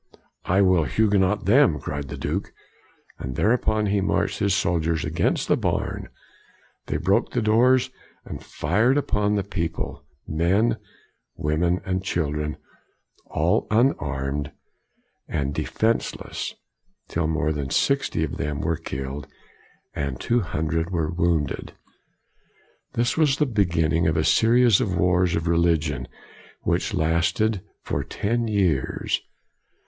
" I will Huguenot them," cried the Duke. And thereupon he marched his soldiers against the barn; they broke the doors, and fired upon the people, men, women, and children, all unarmed and de fenseless, till more than sixty of them were killed, and two hundred were wounded. This was the beginning of a series of wars of religion which lasted for ten years.